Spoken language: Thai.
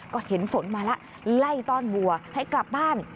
ก็เห็นฝนมาแล้วไล่ต้อนวัวให้กลับบ้าน